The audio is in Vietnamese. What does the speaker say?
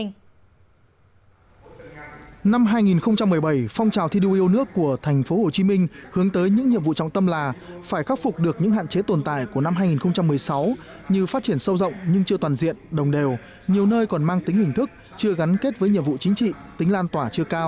năm hai nghìn một mươi bảy phong trào thi đua yêu nước của tp hcm hướng tới những nhiệm vụ trọng tâm là phải khắc phục được những hạn chế tồn tại của năm hai nghìn một mươi sáu như phát triển sâu rộng nhưng chưa toàn diện đồng đều nhiều nơi còn mang tính hình thức chưa gắn kết với nhiệm vụ chính trị tính lan tỏa chưa cao